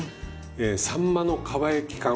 えさんまのかば焼き缶。